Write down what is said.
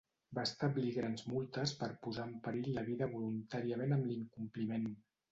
Va establir grans multes per posar en perill la vida voluntàriament amb l'incompliment.